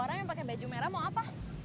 orang yang pakai baju merah mau apa